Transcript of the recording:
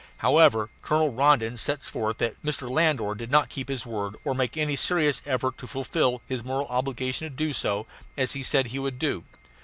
However, Colonel Rondon sets forth that Mr. Landor did not keep his word or make any serious effort to fulfil his moral obligation to do as he had said he would do.